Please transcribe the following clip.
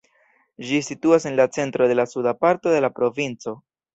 Ĝi situas en la centro de la suda parto de la provinco.